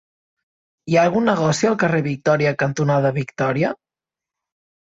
Hi ha algun negoci al carrer Victòria cantonada Victòria?